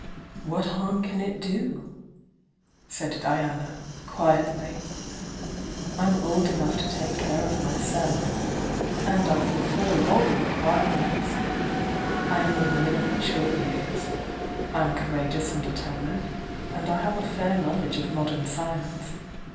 "What harm can it do?" said Diana, quietly. "I'm old enough to take care of myself. And I fulfil all the requirements. I am a woman of mature years —I m courageous and determined, and I have a fair knowledge of modern science.